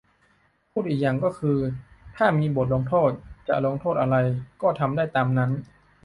พูดอีกอย่างก็คือ ถ้ามีบทลงโทษ จะลงโทษอะไรก็ทำไปตามนั้น